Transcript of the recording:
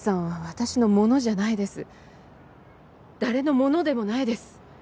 誰のものでもないです。